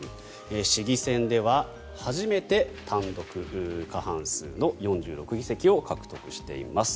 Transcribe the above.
市議選では初めて単独過半数の４６議席を獲得しています。